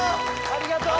ありがとう！